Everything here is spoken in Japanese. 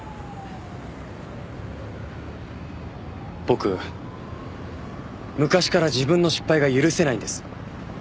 僕昔から自分の失敗が許せないんです。